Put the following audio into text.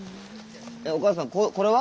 おかあさんこれは？